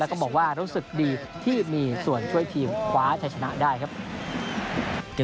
แล้วก็บอกว่ารู้สึกดีที่มีส่วนช่วยทีมคว้าชัยชนะได้ครับ